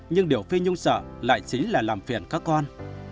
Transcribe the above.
nhưng điều phi nhung sợ lại chính là làm phiền các con